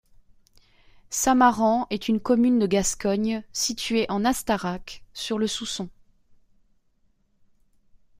Samaran est une commune de Gascogne située en Astarac, sur le Sousson.